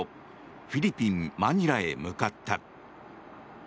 フィリピン・マニラへ向かった。